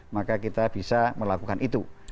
maka kita bisa melakukan itu